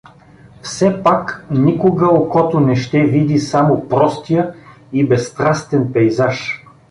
Все пак никога окото не ще види само простия и безстрастен пейзаж.